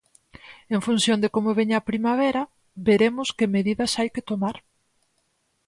En función de como veña a primavera, veremos que medidas hai que tomar.